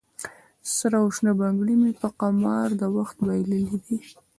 سره او شنه بنګړي مې په قمار د وخت بایللې دي